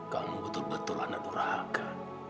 kamu betul betul anak durhaka